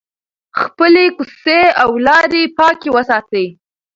خپلې کوڅې او لارې پاکې وساتئ.